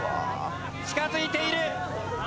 近づいている。